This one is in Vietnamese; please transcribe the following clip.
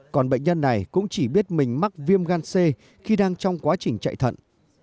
còn bệnh nhân này cũng chỉ biết mình mắc viêm gan c khi đang trong quá trình chạy thận